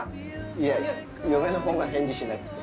いや嫁のほうが返事しなくて。